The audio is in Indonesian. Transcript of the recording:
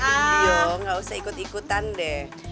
dio ga usah ikut ikutan deh